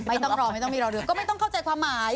ไม่ต้องรอไม่ต้องมีรอเรือก็ไม่ต้องเข้าใจความหมาย